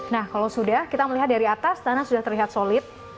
nah kalau sudah kita melihat dari atas tanah sudah terlihat solid